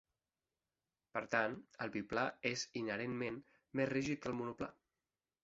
Per tant, el biplà és inherentment més rígid que el monoplà.